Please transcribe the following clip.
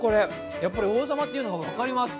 やっぱり王様というのが分かります。